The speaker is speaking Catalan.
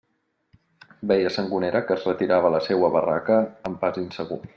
Veia Sangonera que es retirava a la seua barraca amb pas insegur.